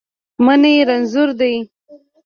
منی رنځور دی